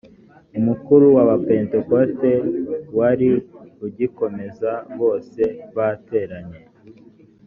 umukuru wa pentekotek wari ugikomeza bose bateranye